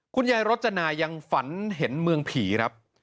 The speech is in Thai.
รจนายังฝันเห็นเมืองผีครับ